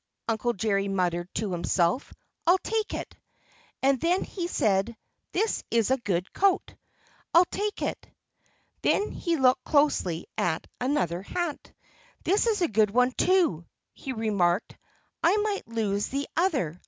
Uncle Jerry muttered to himself. "I'll take it." And then he said, "This is a good coat! I'll take it." Then he looked closely at another hat. "This is a good one, too!" he remarked. "I might lose the other.